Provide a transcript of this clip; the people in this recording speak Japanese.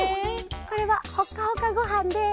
これはほかほかごはんです。